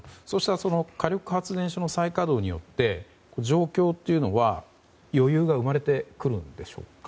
火力発電所の再稼働によって状況というのは余裕が生まれてくるんでしょうか。